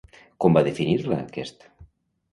Com va definir-la aquest?